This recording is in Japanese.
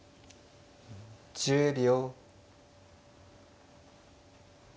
１０秒。